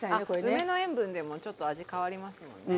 梅の塩分でもちょっと味変わりますもんね。